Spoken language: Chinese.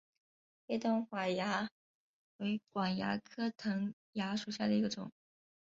黑端管蚜为常蚜科藤蚜属下的一个种。